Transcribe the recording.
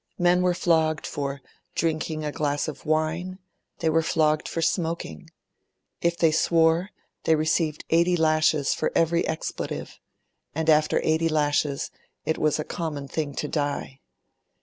Men were flogged for drinking a glass of wine, they were flogged for smoking; if they swore, they received eighty lashes for every expletive; and after eighty lashes it was a common thing to die.